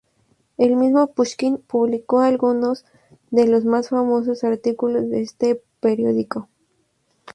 El mismo Pushkin publicó algunos de los más famosos artículos de este periódico.